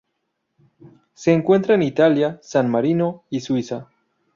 Se encuentra en Italia, San Marino y Suiza.